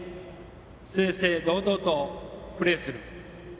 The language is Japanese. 正々堂々とプレーする。